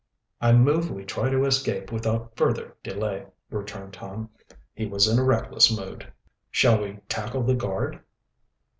"I move we try to escape without further delay," returned Tom. He was in a reckless mood. "Shall we tackle the guard?"